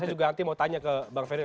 saya juga nanti mau tanya ke bang ferry